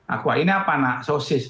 akua ini apa anak sosis